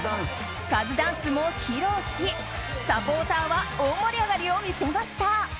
カズダンスも披露しサポーターは大盛り上がりを見せました。